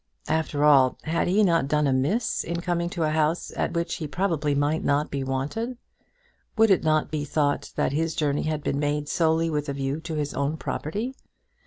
After all, had he not done amiss in coming to a house at which he probably might not be wanted? Would it not be thought that his journey had been made solely with a view to his own property?